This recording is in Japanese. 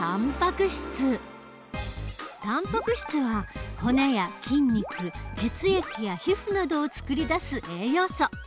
たんぱく質は骨や筋肉血液や皮膚などをつくり出す栄養素。